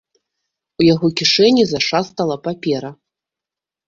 У яго кішэні зашастала папера.